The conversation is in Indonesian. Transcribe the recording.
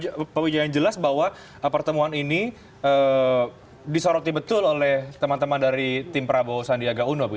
oke pak wijaya yang jelas bahwa pertemuan ini disoroti betul oleh teman teman dari tim prabowo sandiaga uno